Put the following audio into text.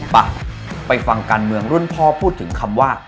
ป่ะไปฟังการเมืองรุ่นพ่อพูดถึงคำว่า